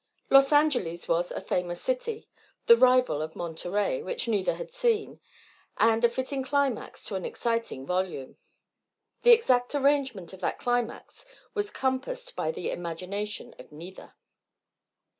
Los Angeles was a famous city, the rival of Monterey, which neither had seen, and a fitting climax to an exciting volume. The exact arrangement of that climax was compassed by the imagination of neither.